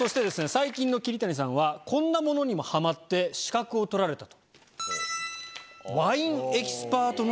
最近の桐谷さんはこんなものにもハマって資格を取られたと。